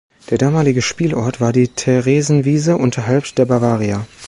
Der damalige Spielort war die Theresienwiese unterhalb der Bavaria.